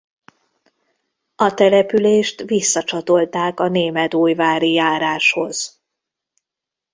A települést visszacsatolták a Németújvári járáshoz.